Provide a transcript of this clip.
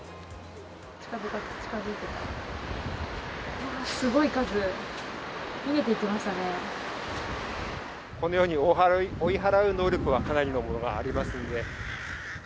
近づいてきた、すごい数、このように、追い払う能力はかなりのものがありますので。